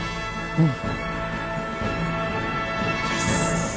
うん。